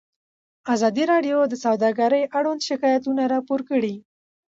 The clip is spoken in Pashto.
ازادي راډیو د سوداګري اړوند شکایتونه راپور کړي.